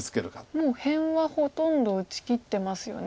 もう辺はほとんど打ちきってますよね。